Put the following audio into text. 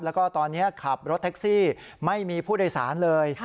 แล้วก็ตอนนี้ขับรถแท็กซี่ไม่มีผู้โดยสารเลย